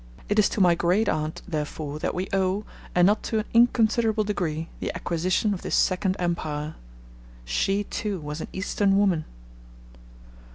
It is to my great aunt, therefore, that we owe, and not to an inconsiderable degree, the acquisition of this second empire. She, too, was an Eastern woman!